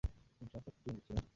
Sinshaka kubyungukiramo.